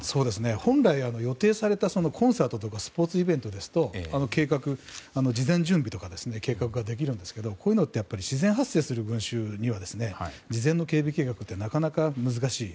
本来、予定されたコンサートですとかスポーツイベントですと事前準備とか計画ができるんですがこういう自然発生する群衆には事前の警備計画ってなかなか難しい。